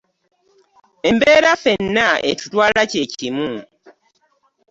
Embeera ffena etutwaala kyekimu.